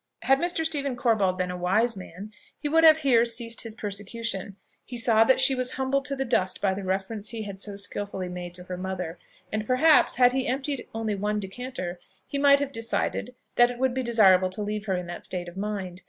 Had Mr. Stephen Corbold been a wise man, he would have here ceased his persecution: he saw that she was humbled to the dust by the reference he had so skilfully made to her mother; and perhaps, had he emptied only one decanter, he might have decided that it would be desirable to leave her in that state of mind.